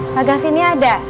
pak gavinnya ada